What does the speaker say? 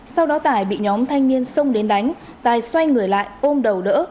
sau đó tài bị nhóm thanh niên xông đến đánh tài xoay người lại ôm đầu đỡ